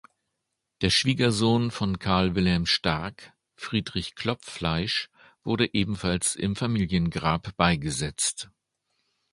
Der Schwiegersohn von Karl Wilhelm Stark, Friedrich Klopfleisch, wurde ebenfalls im Familiengrab beigesetzt.